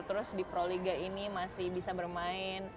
terus di proliga ini masih bisa bermain